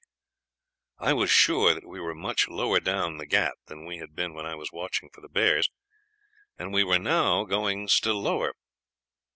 "I was sure that we were much lower down the Ghaut than we had been when I was watching for the bears, and we were now going still lower.